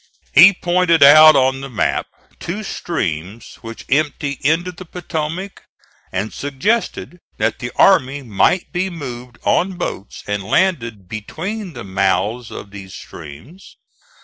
He pointed out on the map two streams which empty into the Potomac, and suggested that the army might be moved on boats and landed between the mouths of these streams.